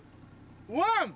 ワン！